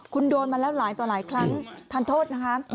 คุณโดนมาแล้วหลายต่อหลายครั้งทานโทษนะคะ